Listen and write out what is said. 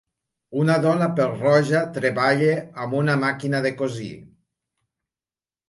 Una dona pèl-roja treballa amb una màquina de cosir.